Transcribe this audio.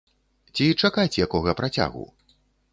Ці чакаць якога працягу?